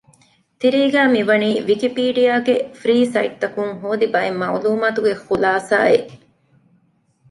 ތިރީގައި މިވަނީ ވިކިޕީޑިއާ ގެ ފްރީ ސައިޓްތަކުން ހޯދި ބައެއް މަޢުލޫމާތުގެ ޚުލާސާ އެއް